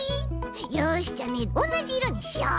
よしじゃあねおんなじいろにしようっと。